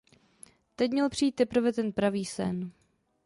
Teď měl přijít teprve ten pravý sen.